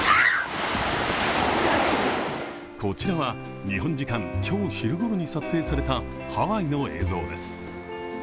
こちらは、日本時間今日昼ごろに撮影された、ハワイの映像です。